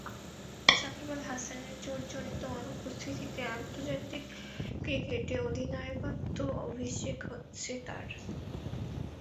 সাকিব আল হাসানের চোটজনিত অনুপস্থিতিতে আন্তর্জাতিক ক্রিকেটে অধিনায়কত্বের অভিষেক হচ্ছে তাঁর।